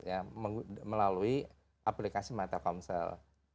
atau aplikasi my telkomsel